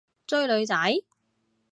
追女仔？